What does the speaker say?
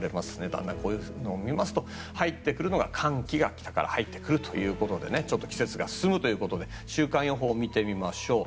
だんだんこういうのを見ますと入ってくるのが寒気が北から入ってくるということでちょっと季節が進むということで週間予報を見てみましょう。